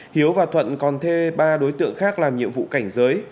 hiếu và thuận còn thuê ba đối tượng khác làm nhiệm vụ cảnh giới